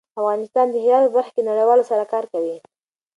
افغانستان د هرات په برخه کې نړیوالو سره کار کوي.